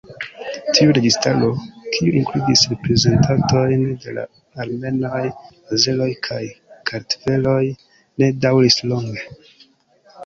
Tiu registaro, kiu inkludis reprezentantojn de la armenoj, azeroj kaj kartveloj ne daŭris longe.